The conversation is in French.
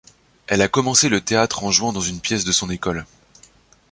Elle a commencé le théâtre en jouant dans une pièce de son école.